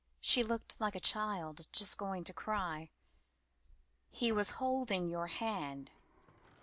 She looked like a child just going to cry. "He was holding your hand."